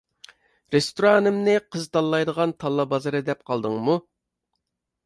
رېستورانىمنى قىز تاللايدىغان تاللا بازىرى دەپ قالدىڭمۇ؟